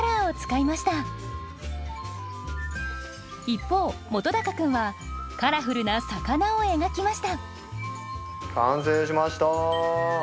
一方本君はカラフルな魚を描きました完成しました。